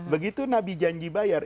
begitu nabi janji bayar